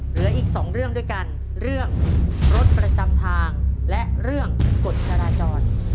เหลืออีกสองเรื่องด้วยกันเรื่องรถประจำทางและเรื่องกฎจราจร